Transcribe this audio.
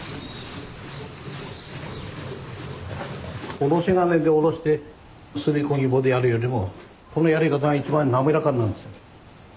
おろし金でおろしてすりこぎ棒でやるよりもこのやり方が一番滑らかになるんすよ。